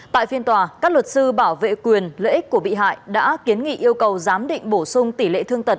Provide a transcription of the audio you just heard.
tại phiên tòa các luật sư bảo vệ quyền lợi ích của bị hại đã kiến nghị yêu cầu giám định bổ sung tỷ lệ thương tật